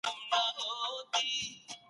هیوادونه د سیمه ییز امنیت لپاره په ګډه کار کوي.